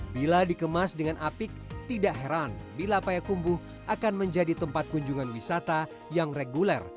bila dikemas dengan apik tidak heran bila payakumbuh akan menjadi tempat kunjungan wisata yang reguler